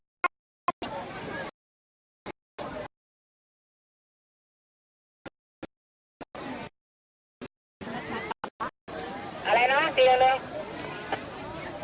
นักข่าวเยอะค่ะชาวบ้านก็มีจำนวนมากนะครับ